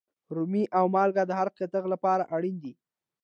رومي او مالگه د هر کتغ لپاره اړین دي.